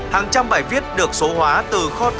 hàng trăm bài viết được số hóa từ kho bạc